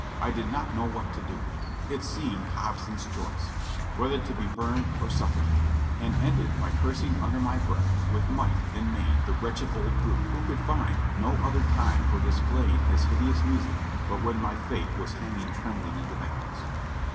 I did not know what to do. It seemed Hobson's choice, whether to be burned or suffocated, and ended by cursing under my breath with might and main the wretched old brute who could find no other time for displaying his hideous music but when my fate was hanging trembling in the balance.